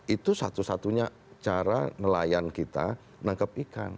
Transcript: itu satu satunya cara nelayan kita nangkep ikan